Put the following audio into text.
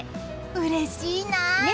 うれしいなあ！